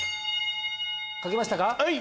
書けましたか？